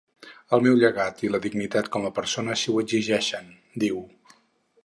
El meu llegat i la dignitat com a persona així ho exigeixen, diu.